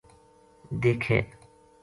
دیکھے